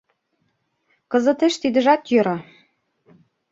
— Кызытеш тидыжат йӧра.